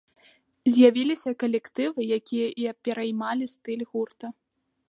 З'явіліся калектывы, якія пераймалі стыль гурта.